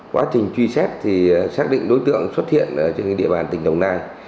quá trình truy xét thì xác định đối tượng xuất hiện trên địa bàn tỉnh long an